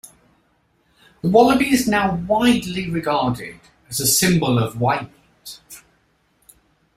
The wallaby is now widely regarded as a symbol of Waimate.